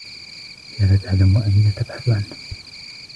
هي لا تعلم أين تبحث عنه.